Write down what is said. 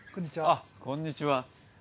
あっこんにちは。